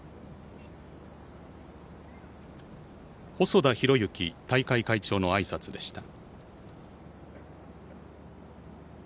細田博之大会会長の挨拶でした。